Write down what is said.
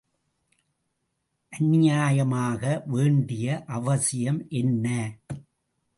அந்நியமாக வேண்டிய அவசியம் என்ன?